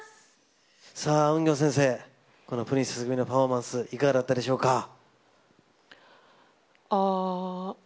さあ、ウンギョン先生、このプリンセス組のパフォーマンス、いかがだったでしょうか。